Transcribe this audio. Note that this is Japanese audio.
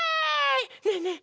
ねえねえ